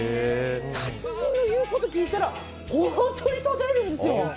達人の言うこと聞いたら本当にとれるんですよ。